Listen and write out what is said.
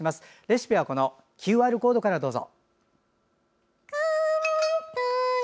レシピはＱＲコードからどうぞ。